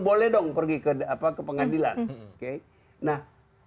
boleh dong pergi ke pengadilan oke nah